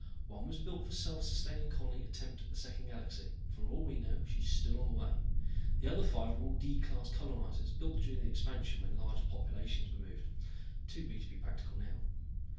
One was built for self sustaining colony attempt at the second galaxy. For all we know she is still on the way. The other five were all D class colonizers, built during the Expansion when large populations were moved. Too big to be practical now.